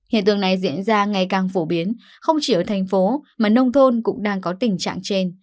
hiện tượng này diễn ra ngày càng phổ biến không chỉ ở thành phố mà nông thôn cũng đang có tình trạng trên